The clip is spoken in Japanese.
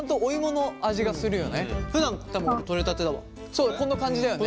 そうこの感じだよね。